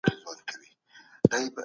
د ملکیت حق د انسان فطري اړتیا ده.